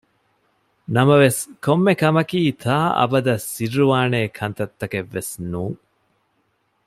ނަމަވެސް ކޮންމެ ކޮންމެ ކަމަކީ ތާ އަބަދަށް ސިއްރުވާނޭ ކަންތައް ތަކެއް ވެސް ނޫން